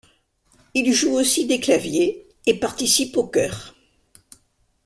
Il joue aussi des claviers et participe aux chœurs.